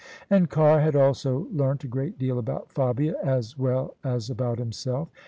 And Carr had also learnt a great deal about Fabia as well as about himself.